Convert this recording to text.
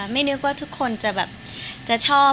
ไม่นึกว่าทุกคนจะชอบ